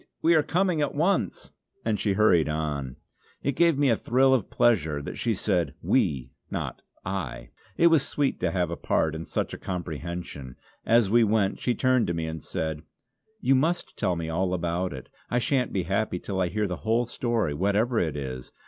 We are coming at once!" and she hurried on. It gave me a thrill of pleasure that she said "we" not "I;" it was sweet to have a part in such a comprehension. As we went she turned to me and said: "You must tell me all about it; I shan't be happy till I hear the whole story, whatever it is.